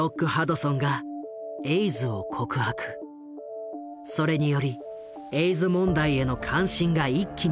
それによりエイズ問題への関心が一気に高まった。